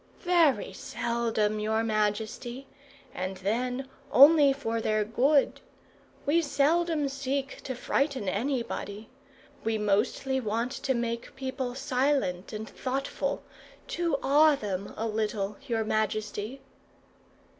"Very seldom, your majesty; and then only for their good. We seldom seek to frighten anybody. We mostly want to make people silent and thoughtful; to awe them a little, your majesty."